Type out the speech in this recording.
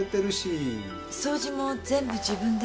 掃除も全部自分で。